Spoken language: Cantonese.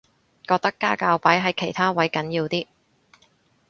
覺得家教擺喺其他位緊要啲